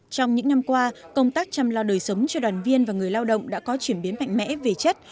trong những năm qua công tác chăm lo đời sống cho đoàn viên và người lao động đã có chuyển biến mạnh mẽ về chất